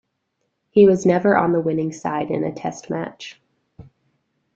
He was never on the winning side in a Test Match.